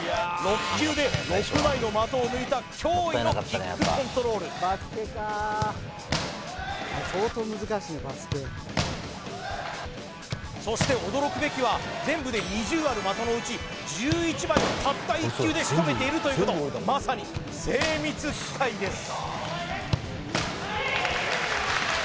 ６球で６枚の的を抜いた驚異のキックコントロールそして驚くべきは全部で２０ある的のうち１１枚をたった１球でしとめているということまさに精密機械です